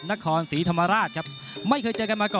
นครทรีธมราชครับไม่เคยเจอกันมาก่อนด้วยนะครับ